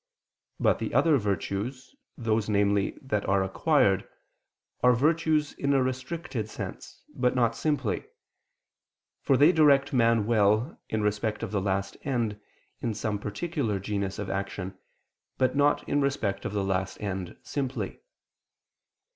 But the other virtues, those, namely, that are acquired, are virtues in a restricted sense, but not simply: for they direct man well in respect of the last end in some particular genus of action, but not in respect of the last end simply.